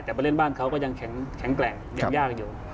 แต่ไปเล่นบ้านเขาก็ยังแข็งแกร่งยังยากอยู่